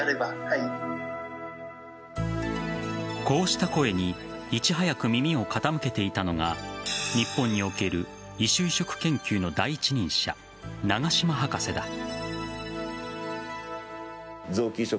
こうした声にいち早く耳を傾けていたのが日本における異種移植研究の第一人者長嶋博士だ。